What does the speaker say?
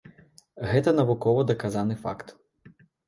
Гэта навукова даказаны факт.